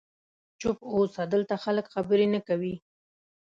چوپ اوسه، دلته خلک خبرې نه کوي.